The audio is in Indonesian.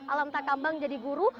alam takabang jadi guru